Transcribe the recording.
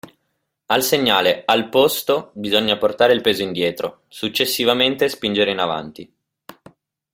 Al segnale "Al posto" bisogna portare il peso indietro, successivamente spingere in avanti.